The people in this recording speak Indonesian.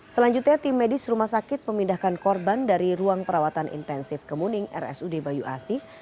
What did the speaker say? selanjutnya tim medis rumah sakit memindahkan korban dari ruang perawatan intensif ke muning rsud bayu asih